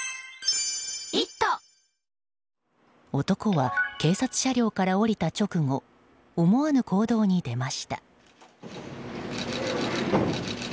男は、警察車両から降りた直後思わぬ行動に出ました。